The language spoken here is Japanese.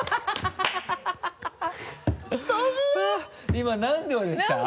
今何秒でした？